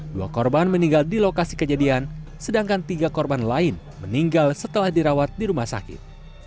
dua korban meninggal di lokasi kejadian sedangkan tiga korban lain meninggal setelah dirawat di rumah sakit